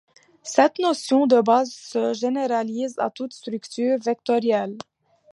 Cette notion de base se généralise à toute structure vectorielle.